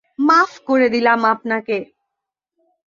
মাফ করে দিলাম আপনাকে।